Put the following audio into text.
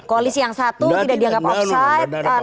koalisi yang satu tidak dianggap offside